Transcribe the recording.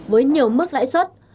với nhiều mức lãi suất